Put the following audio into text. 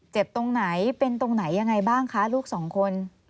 ตรงไหนเป็นตรงไหนยังไงบ้างคะลูกสองคน